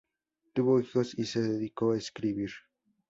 Tuvo hijos y se dedicó a escribir.